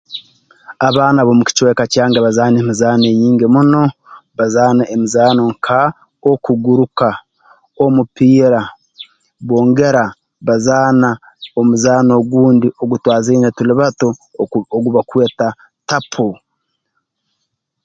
Abaana b'omu kicweka kyange bazaana emizaano enyingi muno bazaana emizaano nka okuguruka omupiira bongera bazaana omuzaano ogundi ogu twazaine tuli bato ogu bakweta tapo